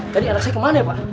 tadi anak saya kemana ya pak